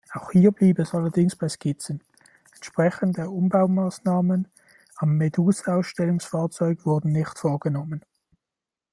Auch hier blieb es allerdings bei Skizzen; entsprechende Umbaumaßnahmen am Medusa-Ausstellungsfahrzeug wurden nicht vorgenommen.